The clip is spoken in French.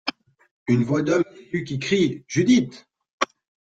Une voix d’homme, aiguë, qui crie :« Judith !